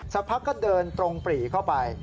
สักพักก็เดินตรงปรีเข้าไป